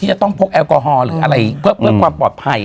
จะต้องพกแอลกอฮอล์หรืออะไรเพื่อความปลอดภัย